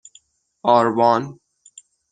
آروان